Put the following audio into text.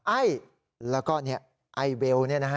ไอ้แล้วก็เนี่ยไอเวลเนี่ยนะฮะ